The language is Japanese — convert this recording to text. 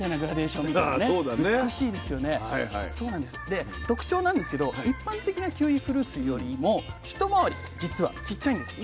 で特徴なんですけど一般的なキウイフルーツよりも一回りじつはちっちゃいんです。